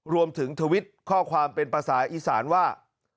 ทวิตข้อความเป็นภาษาอีสานว่า